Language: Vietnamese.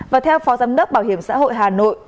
và theo phó giám đốc bảo hiểm xã hội hà nội